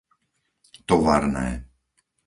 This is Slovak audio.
Tovarné